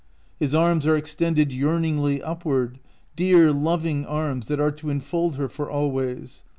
His arms are extended yearningly upward — dear, loving arms that are to enfold her for always.